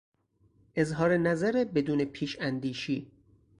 اظهار نظر بدون پیشاندیشی